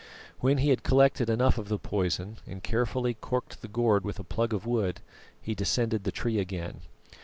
When he had collected enough of the poison and carefully corked the gourd with a plug of wood, he descended the tree again.